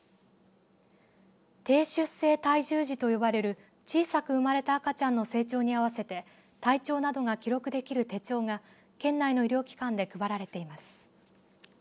低出生体重児と呼ばれる小さく生まれた赤ちゃんの成長に合わせて体調などが記録できる手帳が県内の医療機関で配られています。